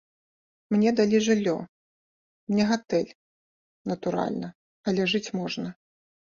Мне далі жыллё, не гатэль, натуральна, але жыць можна.